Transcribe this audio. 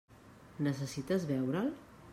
Necessites veure'l?